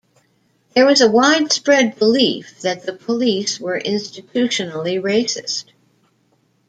There was a widespread belief that the police were institutionally racist.